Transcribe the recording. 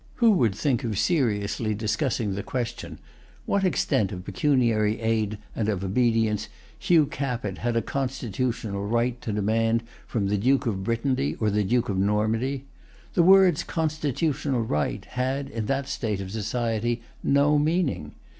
Who would think of seriously discussing the question, What extent of pecuniary aid and of obedience Hugh Capet had a constitutional right to demand from the Duke of Brittany or the Duke of Normandy? The words "constitutional right" had, in that state of society, no meaning.